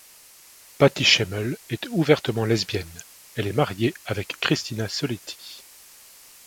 Patty Schemel est ouvertement lesbienne, elle est mariée avec Christina Soletti.